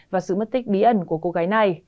và sự mất tích bí ẩn của cô gái này